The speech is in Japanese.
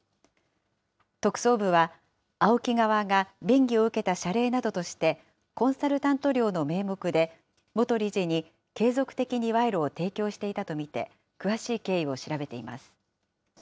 特捜部は、ＡＯＫＩ側が便宜を受けた謝礼などとしてコンサルタント料の名目で、元理事に継続的に賄賂を提供していたとみて、詳しい経緯を調べています。